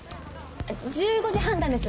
１５時判断です。